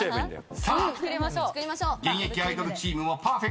［さあ現役アイドルチームもパーフェクトなるか？］